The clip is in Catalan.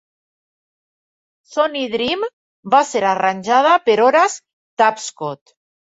"Sonny Dream" va ser arranjada per Horace Tapscott.